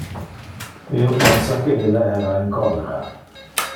Io pensa que ille era in cholera.